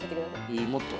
えもっと？